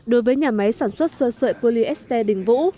đối với nhà máy sản xuất sơ sợi polyester đình vũ